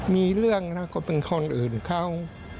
มีเรื่องนะก็เป็นคนอื่นเขา